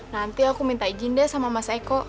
nanti aku minta izin deh sama mas eko